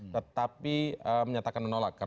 tetapi menyatakan menolak